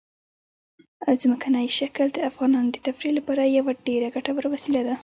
ځمکنی شکل د افغانانو د تفریح لپاره یوه ډېره ګټوره وسیله ده.